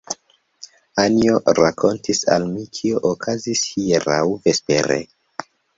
Anjo rakontis al mi, kio okazis hieraŭ vespere.